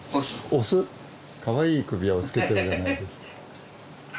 かわいい首輪をつけてるじゃないですか。